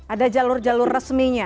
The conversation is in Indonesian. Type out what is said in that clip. ada jalur jalur resminya